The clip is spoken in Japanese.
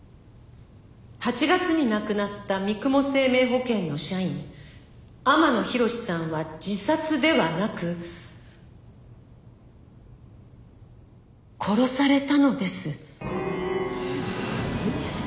「８月に亡くなった三雲生命保険の社員天野弘さんは自殺ではなく」「殺されたのです」